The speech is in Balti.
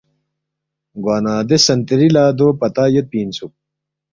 گوانہ دے سنتری لہ دو پتہ یودپی اِنسُوک